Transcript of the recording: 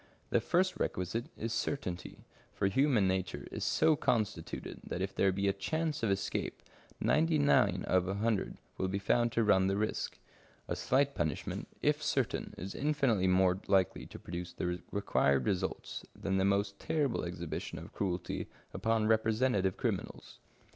The first requisite is certainty, for human nature is so constituted that if there be a chance of escape, ninety nine out of a hundred will be found to run the risk. A slight punishment, if certain, is infinitely more likely to produce the required results than the most terrible exhibition of cruelty upon representative criminals.